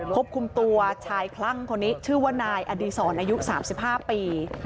ควบคุมตัวชายคลั่งคนนี้ชื่อว่านายอดีศรอายุ๓๕ปี